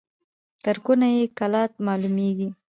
تر کونه يې کلات معلومېږي.